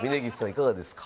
いかがですか？